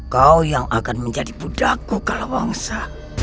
kau yang akan menjadi buddhaku kalawangsa